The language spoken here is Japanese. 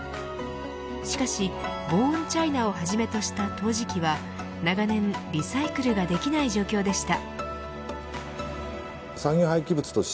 しかしボーンチャイナをはじめとした陶磁器は長年、リサイクルができない状況でした。